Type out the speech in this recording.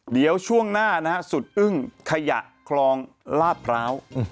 เดี๋ยวช่วงหน้านะฮะสุดอึ้งขยะคลองลาดพร้าว